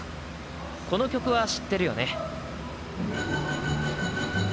この曲は知ってるよね？